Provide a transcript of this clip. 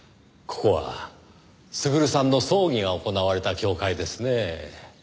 ここは優さんの葬儀が行われた教会ですねぇ。